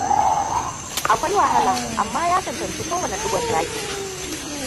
Akwai wahala, amma ya cancanci ko wane digon zaki.